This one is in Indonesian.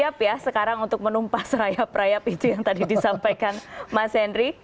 jadi sudah siap ya sekarang untuk menumpah serayap rayap itu yang tadi disampaikan mas henry